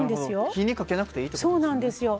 火にかけなくていいっていうことなんですね。